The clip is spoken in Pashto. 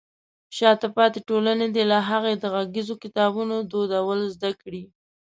شاته پاتې ټولنې دې له هغې د غږیزو کتابونو دودول زده کړي.